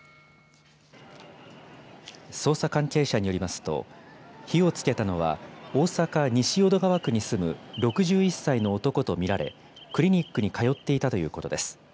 捜査関係者によりますと、火をつけたのは、大阪・西淀川区に住む６１歳の男と見られ、クリニックに通っていたということです。